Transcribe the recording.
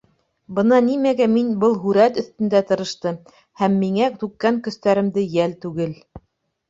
Бына нимәгә мин был һүрәт өҫтөндә тырыштым, һәм миңә түккән көстәремде йәл түгел.